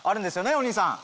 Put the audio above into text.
お兄さん。